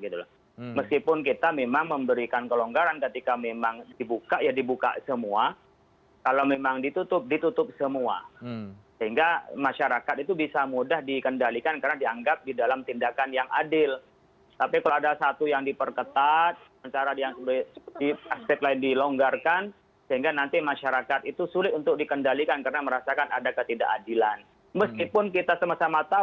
dan juga untuk pemerintah yang memiliki kemampuan untuk melakukan perjalanan dengan surat